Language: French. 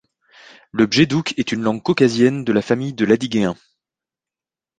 Le Bjédoukh est une langue caucasienne de la famille de l'Adyguéen.